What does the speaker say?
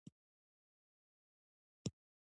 افغانستان کې د د هېواد مرکز لپاره دپرمختیا پروګرامونه شته.